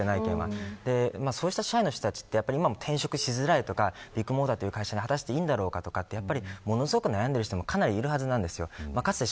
そうした社員の人たちは、今も転職しづらいとかビッグモーターという会社で果たしていいんだろうかとものすごく悩んでいる人もいるはずなんです。